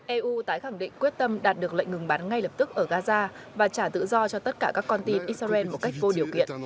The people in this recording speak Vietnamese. eu tái khẳng định quyết tâm đạt được lệnh ngừng bắn ngay lập tức ở gaza và trả tự do cho tất cả các con tin israel một cách vô điều kiện